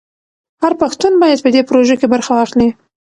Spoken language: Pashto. هر پښتون باید په دې پروژه کې برخه واخلي.